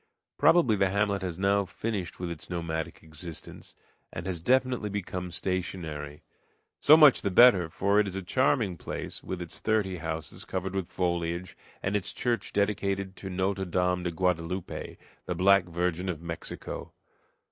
Probably the hamlet has now finished with its nomadic existence, and has definitely become stationary. So much the better; for it is a charming place, with its thirty houses covered with foliage, and its church dedicated to Notre Dame de Guadaloupe, the Black Virgin of Mexico.